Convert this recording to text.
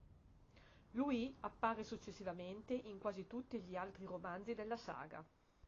Louis appare successivamente in quasi tutti gli altri romanzi della saga.